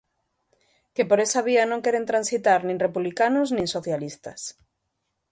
Que por esa vía non queren transitar nin republicanos nin socialistas.